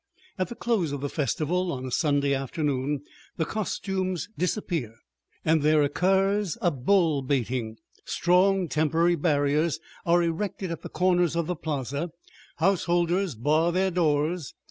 At the close of the festival, on a Sunday afternoon, the costumes disappear and there occurs a bull baiting. Strong temporary barriers are erected at the comers of the plaza; householders bar their doors.